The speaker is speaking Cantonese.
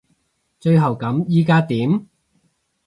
最後咁依家點？